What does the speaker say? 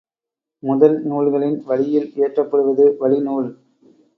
முதல் நூல்களின் வழியில் இயற்றப்படுவது வழி நூல்.